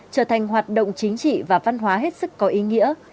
trở thành hoạt động chính trị và văn hóa hết sức có ý nghĩa